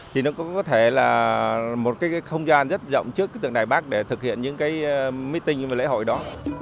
thì nó có thể là một cái không gian rất rộng trước tường đài bắc để thực hiện những cái meeting và lễ hội đó